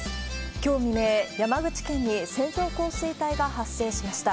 きょう未明、山口県に線状降水帯が発生しました。